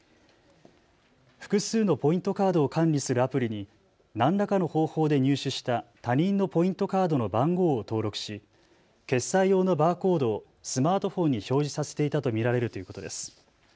複数のポイントカードを管理するアプリに何らかの方法で入手した他人のポイントカードの番号を登録し決済用のバーコードをスマートフォンに表示させていたと見られるということです。